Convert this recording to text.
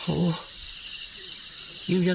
โอ้โฮ